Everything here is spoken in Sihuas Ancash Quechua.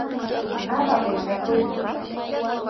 ¡Ama pinqakuyku!